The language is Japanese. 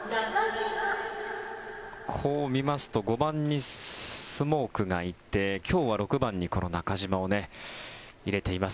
こう見ますと５番にスモークがいて今日は６番にこの中島を入れています。